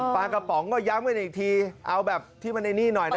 ปลากระป๋องก็ย้ำกันอีกทีเอาแบบที่มันไอ้นี่หน่อยนะ